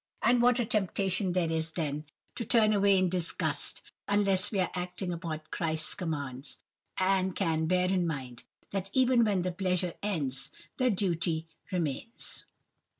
And what a temptation there is, then, to turn away in disgust, unless we are acting upon Christ's commands, and can bear in mind, that even when the pleasure ends, the duty remains.